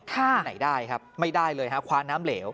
ค่ะไม่ได้ครับไม่ได้เลยครับควานน้ำเหลว